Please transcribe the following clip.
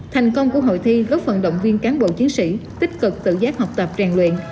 thành công của hội thi góp phần động viên cán bộ chiến sĩ tích cực tự giác học tập trang luyện